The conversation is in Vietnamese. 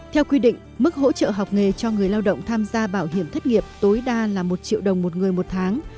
theo quy định mức hỗ trợ học nghề cho người lao động tham gia bảo hiểm thất nghiệp tối đa là một triệu đồng một người một tháng